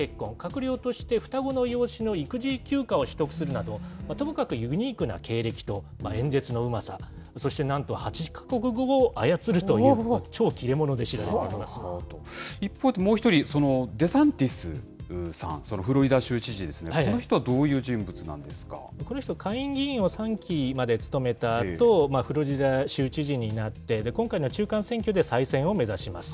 閣僚として双子の養子の育児休暇を取得するなど、ともかくユニークな経歴と演説のうまさ、そしてなんと８か国語を操るという、超一方でもう１人、そのデサンティスさん、フロリダ州知事ですね、この人はどういう人物なんでこの人、下院議員を３期まで務めたあと、フロリダ州知事になって、今回の中間選挙で再選を目指します。